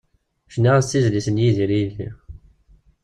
Cniɣ-as-d tizlit n Yidir i yelli.